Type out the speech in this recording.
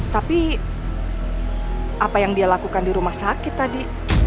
tapi apa yang dia lakukan di rumah sakit tadi